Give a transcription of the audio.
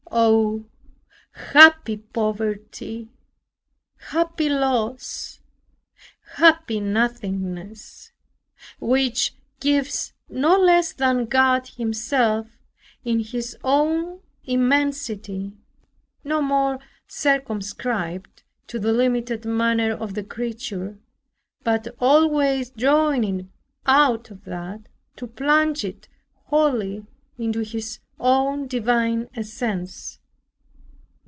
Oh, happy poverty, happy loss, happy nothingness, which gives no less than God Himself in His own immensity, no more circumscribed to the limited manner of the creature, but always drawing it out of that, to plunge it wholly into His own divine essence.